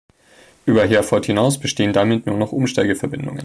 Über Herford hinaus bestehen damit nur noch Umsteigeverbindungen.